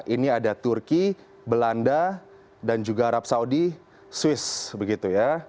ini ada turki belanda dan juga arab saudi swiss begitu ya